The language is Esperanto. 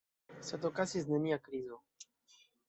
Sed okazis nenia krizo.